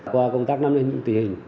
qua công tác năm tình hình